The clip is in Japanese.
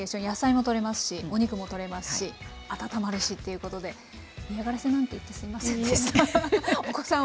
野菜もとれますしお肉もとれますし温まるしということで嫌がらせなんて言ってすいませんでした。